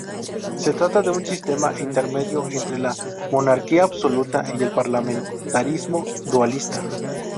Se trata de un sistema intermedio entre la Monarquía Absoluta y el Parlamentarismo dualista.